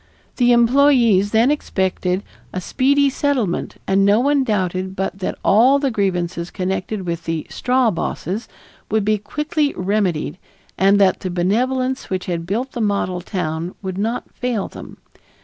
The employees then expected a speedy settlement and no one doubted but that all the grievances connected with the "straw bosses" would be quickly remedied and that the benevolence which had built the model town would not fail them.